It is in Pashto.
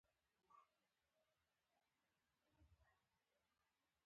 ایا ستاسو یقین به پوخ نه شي؟